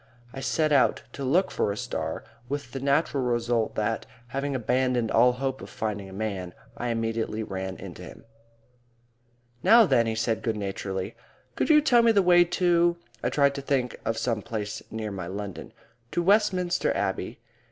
I set out to look for a star; with the natural result that, having abandoned all hope of finding a man, I immediately ran into him. "Now then," he said good naturedly. "Could you tell me the way to" I tried to think of some place near my London "to Westminster Abbey?"